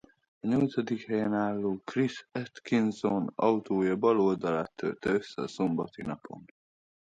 A nyolcadik helyen álló Chris Atkinson autója bal oldalát törte össze a szombati napon.